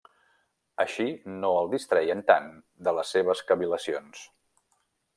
Així no el distreien tant de les seves cavil·lacions.